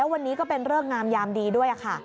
วันนี้ก็เป็นเรื่องงามยามดีด้วย